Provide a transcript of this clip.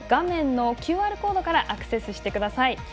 右上のＱＲコードからアクセスしてください。